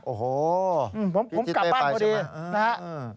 โอ้โหพี่ทิเต้ไปใช่ไหมผมกลับบ้านพอดีนะครับ